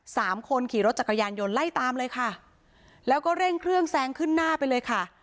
สามคนขี่รถจักรยานยนต์ไล่ตามเลยค่ะแล้วก็เร่งเครื่องแซงขึ้นหน้าไปเลยค่ะ